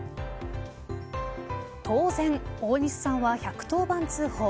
当然大西さんは１１０番通報。